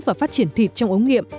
và phát triển thịt trong ống nghiệm